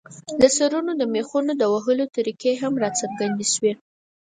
د سرونو د مېخونو د وهلو طریقې هم راڅرګندې شوې.